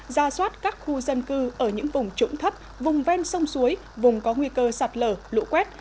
ra soát các khu dân cư ở những vùng trũng thấp vùng ven sông suối vùng có nguy cơ sạt lở lũ quét